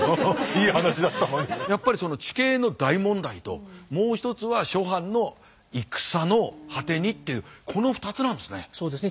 やっぱり地形の大問題ともう一つは諸藩の戦の果てにっていうこの２つなんですね。